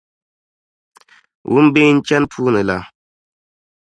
Wumbei n-chani puuni la.